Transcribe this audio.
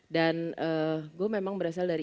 dan gue memang berasal dari